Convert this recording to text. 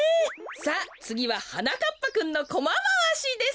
さあつぎははなかっぱくんのコマまわしです。